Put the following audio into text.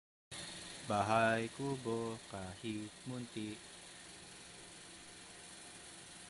Kalinin Square which was named after Kalinin is located in Minsk, Belarus.